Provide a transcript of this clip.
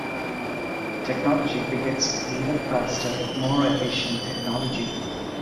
Technology begets even faster more efficient technology.